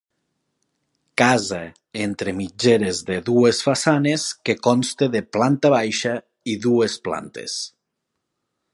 Casa entre mitgeres de dues façanes que consta de planta baixa i dues plantes.